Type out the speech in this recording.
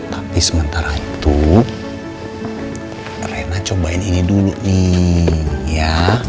tapi sementara itu rena cobain ini dulu nih ya